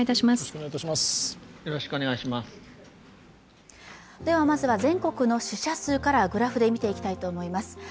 まずは全国の死者数からグラフで見ていきたいと思います。